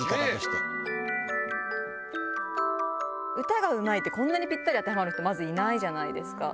歌がうまいってこんなにピッタリ当てはまる人まずいないじゃないですか。